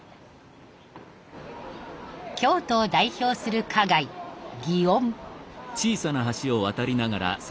京都を代表する花街祇園。